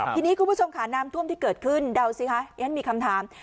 ทีนี้คุณผู้ชมค่ะน้ำท่วมที่เกิดขึ้นเดาสิคะฉันมีคำถาม